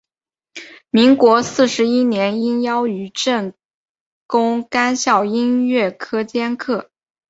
民国四十一年应邀于政工干校音乐科兼课。